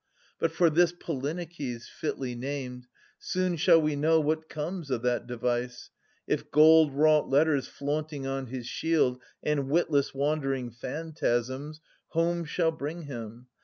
But, for this Polyneikes, — fitly named !— Soon shall we know what comes of that device. If gold wrought letters Haunting on his shield, 660 And witless wandering phantasms, home shall bring him.